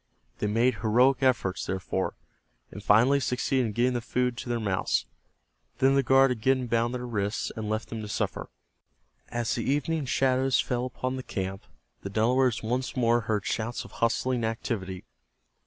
They made heroic efforts, therefore, and finally succeeded in getting the food to their mouths. Then the guard again bound their wrists, and left them to suffer. As the evening shadows fell upon the camp the Delawares once more heard sounds of hustling activity.